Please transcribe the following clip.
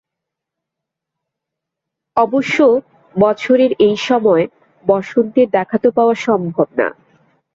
অবশ্য বছরের এই সময় বসন্তের দেখা তো পাওয়া সম্ভব না।